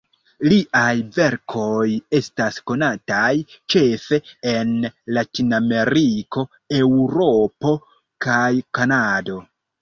Liaj verkoj estas konataj ĉefe en Latinameriko, Eŭropo kaj Kanado.